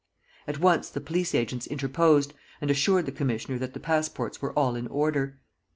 At once the police agents interposed, and assured the commissioner that the passports were all in order.